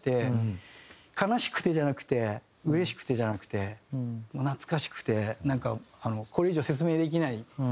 悲しくてじゃなくてうれしくてじゃなくて懐かしくてこれ以上説明できない気分になって。